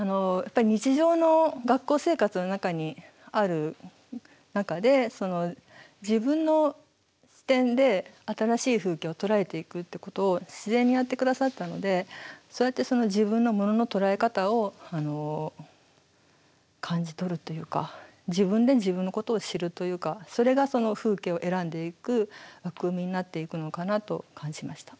日常の学校生活の中にある中で自分の視点で新しい風景を捉えていくってことを自然にやってくださったのでそうやって自分のものの捉え方を感じ取るというか自分で自分のことを知るというかそれが風景を選んでいく枠組みになっていくのかなと感じました。